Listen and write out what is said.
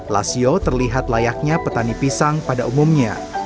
lasio terlihat layaknya petani pisang pada umumnya